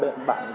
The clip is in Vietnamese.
trước khi đấy là